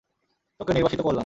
তোকে নির্বাসিত করলাম।